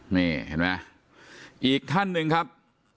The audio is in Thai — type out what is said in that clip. นี่เห็นไหมอีกท่านหนึ่งครับ